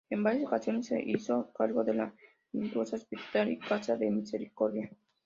En varias ocasiones se hizo cargo de la Inclusa, hospital y casa de misericordia.